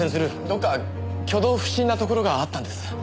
どこか挙動不審なところがあったんです。